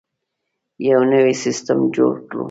یو نوی سیستم جوړ کړو.